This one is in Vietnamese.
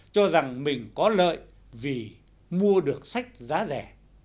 cho rằng mình có lợi vì mua được sách giá rẻ